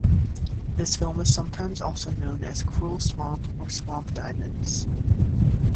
This film is sometimes also known as Cruel Swamp or Swamp Diamonds.